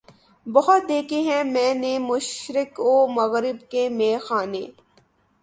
بہت دیکھے ہیں میں نے مشرق و مغرب کے مے خانے